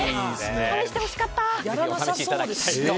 試してほしかった！